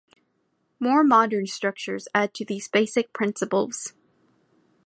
More modern structures add to these basic principles.